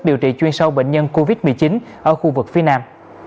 điều trị chuyên sâu bệnh nhân covid một mươi chín ở khu vực phía nam